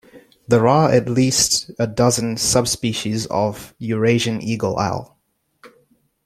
There are at least a dozen subspecies of Eurasian eagle-owl.